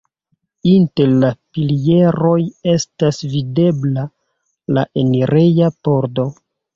Inter la pilieroj estas videbla la enireja pordo.